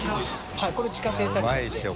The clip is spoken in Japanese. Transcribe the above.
はいこれ自家製タルタルです。